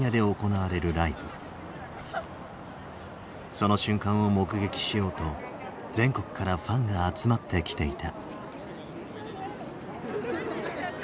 その瞬間を目撃しようと全国からファンが集まってきていた。